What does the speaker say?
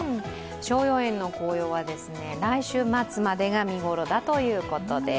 逍遥園の紅葉は来週末までが見頃だということです。